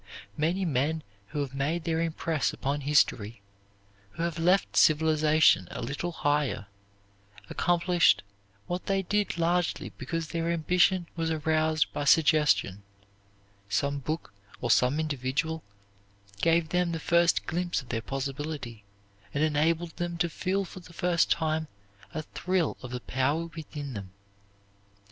Many men who have made their impress upon history, who have left civilization a little higher, accomplished what they did largely because their ambition was aroused by suggestion; some book or some individual gave them the first glimpse of their possibility and enabled them to feel for the first time a thrill of the power within them.